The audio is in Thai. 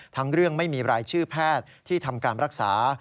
ทั้งเรื่องไม่มีรายชื่อแพทย์ที่ทำการรักษา